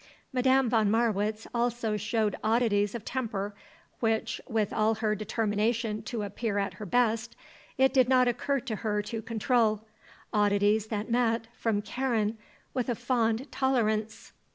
Madame von Marwitz also showed oddities of temper which, with all her determination to appear at her best, it did not occur to her to control, oddities that met, from Karen, with a fond tolerance.